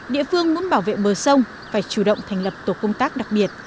địa phương muốn bảo vệ bờ sông phải chủ động thành lập tổ công tác đặc biệt